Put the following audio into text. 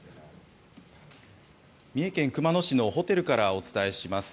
三重県熊野市のホテルからお伝えします。